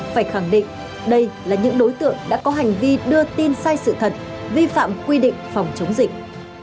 phải khẳng định đây là những đối tượng đã có hành vi đưa tin sai sự thật vi phạm quy định phòng chống dịch